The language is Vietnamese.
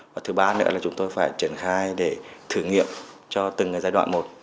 và thứ ba nữa là chúng tôi phải triển khai để thử nghiệm cho từng giai đoạn một